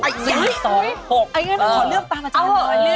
ไอ้เง้มนี่ขอเลือกตามกันจริง